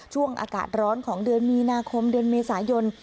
ช่วงอากาศร้อนของเดือนมีนาคมเดือนเมษายน